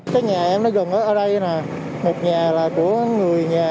cái nhà em nó gần ở đây là một nhà là của người nhà